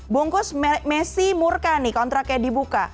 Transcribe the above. bungkus messi murka nih kontraknya dibuka